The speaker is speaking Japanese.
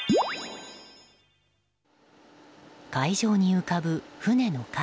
海上に浮かぶ船の影。